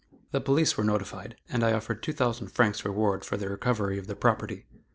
The police were notified, and I offered 2,000 francs reward for the recovery of the property.